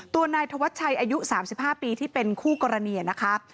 ตัวนายธวัชชัยอายุ๓๕ปีที่เป็นคู่กรณีนะคะ